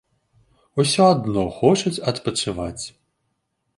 Усё адно хочуць адпачываць.